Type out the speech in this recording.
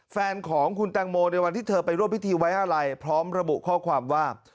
แฟนของคุณแตงโมในวันที่เธอไปร่วมพิธีไว้อะไรพร้อมระบุข้อความว่า